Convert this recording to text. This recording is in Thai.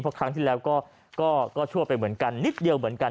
เพราะครั้งที่แล้วก็ชั่วไปเหมือนกันนิดเดียวเหมือนกัน